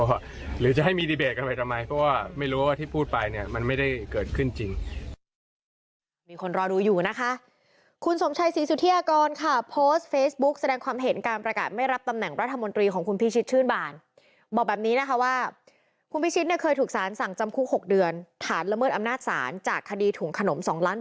หรือจะให้มีดีเบตทำไมไม่รู้ว่าที่พูดไปมันไม่ได้เกิดขึ้นจริง